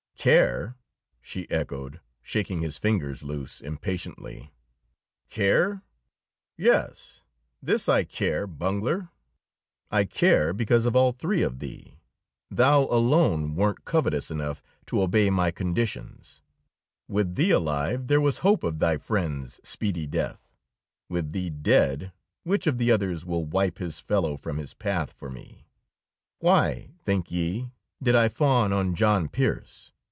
"Care!" she echoed, shaking his fingers loose impatiently. "Care? Yes, this I care, bungler: I care because of all three of thee, thou alone wert covetous enough to obey my conditions. With thee alive, there was hope of thy friends' speedy death. With thee dead, which of the others will wipe his fellow from his path for me? Why, think ye, did I fawn on John Pearse?